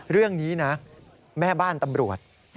เรื่องนี้นะแม่บ้านตำรวจ